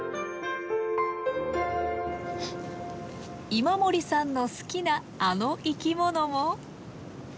今森さんの好きなあの生き物も。